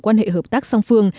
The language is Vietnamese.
quan hệ hợp tác song phương